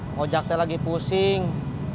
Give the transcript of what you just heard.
ngajaknya lagi pusing